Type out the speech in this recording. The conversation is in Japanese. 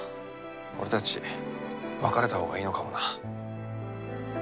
俺たち別れたほうがいいのかもな。